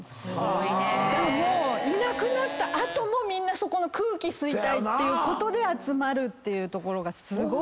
もういなくなった後もみんなそこの空気吸いたいっていうことで集まるところがすごい。